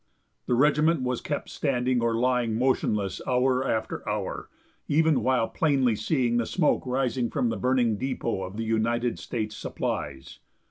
The regiment was kept standing or lying motionless hour after hour, even while plainly seeing the smoke rising from the burning depot of the United States supplies.